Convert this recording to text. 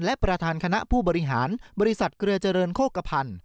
และประธานคณะผู้บริหารบริษัทเครือเจริญโคกภัณฑ์